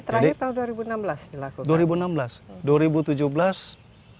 jadi terakhir tahun dua ribu enam belas dilakukan